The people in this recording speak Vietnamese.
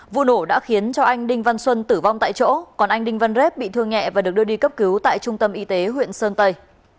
vụ nổ đã khiến cho anh đinh văn xuân tử vong tại chỗ còn anh đinh văn rết bị thương nhẹ và được đưa đi cấp cứu tại trung tâm y tế huyện sơn tây